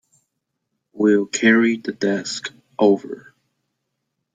We'll carry the desk over.